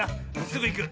すぐいく。